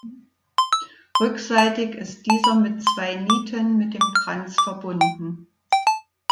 Rückseitig ist dieser mit zwei Nieten mit dem Kranz verbunden.